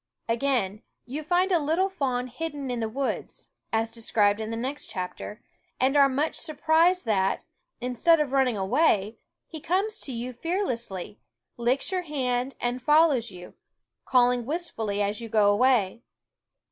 Again, you find a little fawn hidden in the woods, as described in the next chapter, and are much surprised that, instead of run ning away, he comes to you fearlessly, licks your hand and follows you, calling wistfully, ^>\ as you go away.